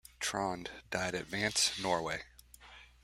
Trond died at Vanse, Norway.